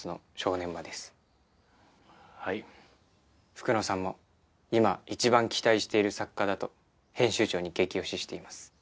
福野さんも今一番期待している作家だと編集長に激推ししています。